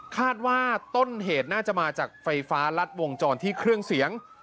คาดว่าต้นเหตุน่าจะมาจากไฟฟ้ารัดวงจรที่เครื่องเสียง